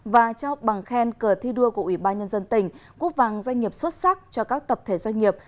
và trao bằng khen cờ thi đua của ủy ban nhân dân tỉnh quốc vàng doanh nghiệp xuất sắc cho các tập thể doanh nghiệp